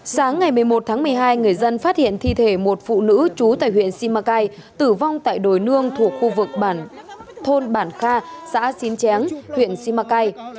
sáng ngày một mươi một tháng một mươi hai người dân phát hiện thi thể một phụ nữ trú tại huyện simacai tử vong tại đồi nương thuộc khu vực thôn bản kha xã xín chén huyện simacai